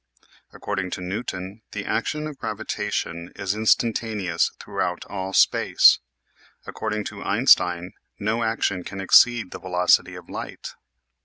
According to Newton the action of gravitation is instantaneous throughout all space. According to Einstein no action can exceed the velocity of light.